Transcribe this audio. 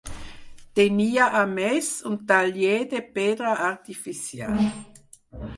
Tenia, a més, un taller de pedra artificial.